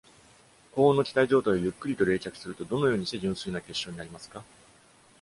高温の気体状態をゆっくりと冷却すると、どのようにして純粋な結晶になりますか？